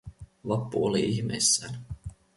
Vappu oli ihmeissään.